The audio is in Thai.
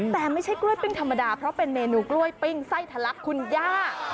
แต่ไม่ใช่กล้วยปิ้งธรรมดาเพราะเป็นเมนูกล้วยปิ้งไส้ทะลักคุณย่า